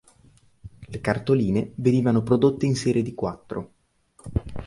Le cartoline venivano prodotte in serie di quattro.